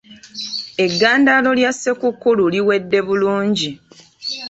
Eggandaalo lya Ssekukkulu liwedde bulungi.